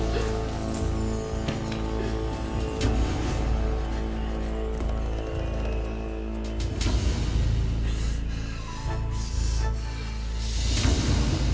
kau tidak bisa membunuhnya